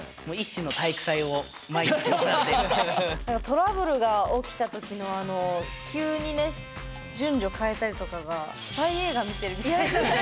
トラブルが起きた時のあの急にね順序変えたりとかがスパイ映画見てるみたいなんか。